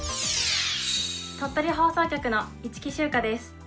鳥取放送局の市来秋果です。